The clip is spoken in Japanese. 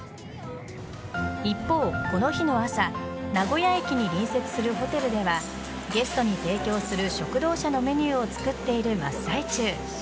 一方、この日の朝名古屋駅に隣接するホテルではゲストに提供する食堂車のメニューを作っている真っ最中。